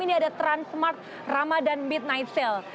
ini ada transmart ramadan midnight sale